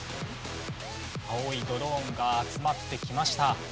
青いドローンが集まってきました。